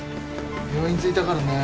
病院着いたからね。